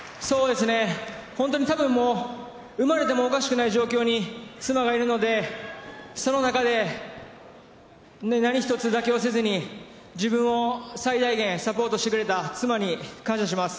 本当に多分もう産まれてもおかしくない状況に妻がいるのでその中で、何一つ妥協せずに自分を最大限サポートしてくれた妻に感謝します。